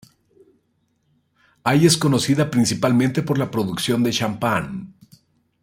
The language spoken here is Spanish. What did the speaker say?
Ay es conocida principalmente por la producción de champán.